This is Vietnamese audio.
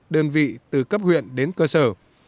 đơn vị từ cấp huyện đến cơ sở